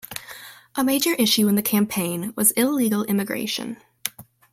A major issue in the campaign was illegal immigration.